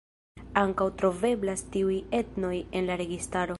Ankaŭ troveblas tiuj etnoj en la registaro.